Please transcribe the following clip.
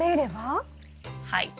はい。